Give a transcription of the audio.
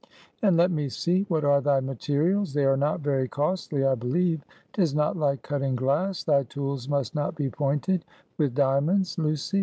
"And let me see; what are thy materials? They are not very costly, I believe. 'Tis not like cutting glass, thy tools must not be pointed with diamonds, Lucy?"